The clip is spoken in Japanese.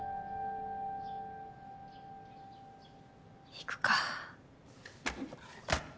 行くか。